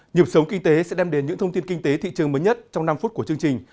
nhịp sống kinh tế sẽ đem đến những thông tin kinh tế thị trường mới nhất trong năm phút của chương trình